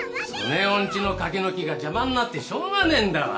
恒夫んちの柿の木が邪魔んなってしょうがねえんだわ。